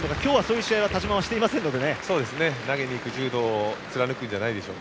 今日はそういう試合は田嶋はしていませんね。